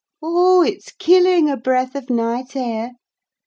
Oh! it's killing, a breath of night air!